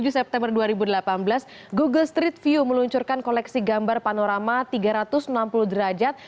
tujuh september dua ribu delapan belas google street view meluncurkan koleksi gambar panorama tiga ratus enam puluh derajat